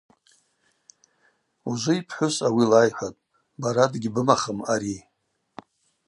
Ужвы йпхӏвыс ауи лайхӏватӏ: Бара дыгьбымахым ари.